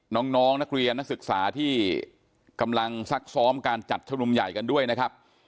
น้องนักเรียนนักศึกษาที่กำลังซักซ้อมการจัดชุมนุมใหญ่กันด้วยนะครับ